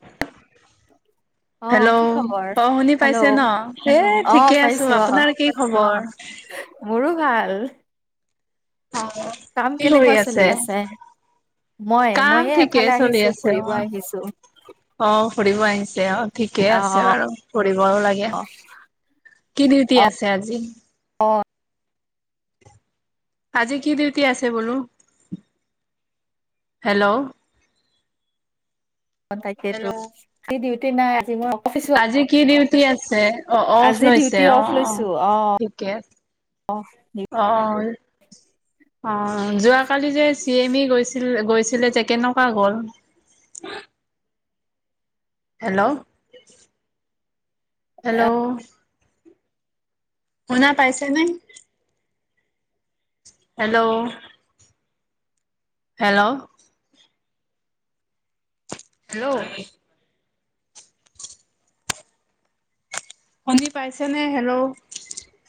[unintelligible] অ hello কি খবৰ? অ শুনি হেল্ল' পাইছে ন হ অ ঠিকে আছো পাইছো অ আপোনাৰ কি খবৰ? মোৰো ভাল অ কাম কি কৰি কেনেকুৱা চলি আছে মই কাম মইয়ে এফালে ঠিকেই চলি আহিছো আছে অ ফুৰিব আহিছো অ ফুৰিব আহিছে অ ঠিকে অ আছে বাৰু ফুৰিবও লাগে। কি দিউতি অ আছে আজি? আজি কি দেউতি আছে বলো হেল্ল'। তাকেই টো ডিউটি নাই আৰু আজি কি ডিউটি আছে অ অফ আজি লৈছে ডিউটি অ অফ অ লৈছো ঠিকে আ অ অ যোৱাকালি যে চি এম ই গৈছিল গৈছিল। ছিলে যে কেনেকুৱা গ'ল। হেল্ল' হেল্ল' শুনা পাইচে নে? হেল্ল' হেল্ল' হেল্ল' শুনি পাইছেনে হেল্ল'